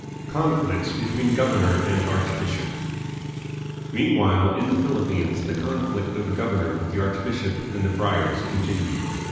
Conflicts between Governor and Archbishop. Mean while, in the Philippines the conflict of the governor with the archbishop and the friars continued.